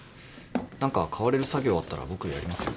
何か代われる作業あったら僕やりますよ。